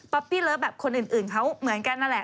ปี้เลิฟแบบคนอื่นเขาเหมือนกันนั่นแหละ